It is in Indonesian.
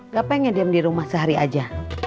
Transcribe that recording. gak pengen diam di rumah sehari aja